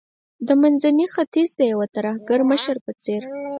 د منځني ختیځ د یو ترهګر مشر په څیر